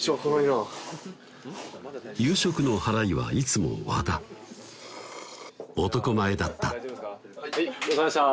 夕食の払いはいつも和田男前だったごちそうさまでした